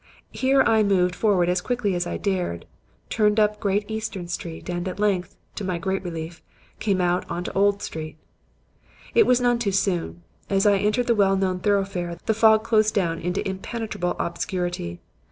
Here I moved forward as quickly as I dared, turned up Great Eastern Street and at length, to my great relief, came out into Old Street. "It was none too soon. As I entered the well known thoroughfare, the fog closed down into impenetrable obscurity.